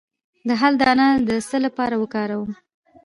د هل دانه د څه لپاره وکاروم؟